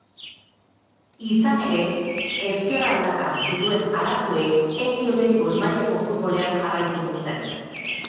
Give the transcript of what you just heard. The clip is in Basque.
Izan ere, ezker aldakan zituen arazoek ez zioten goi-mailako futbolean jarraitzen uzten.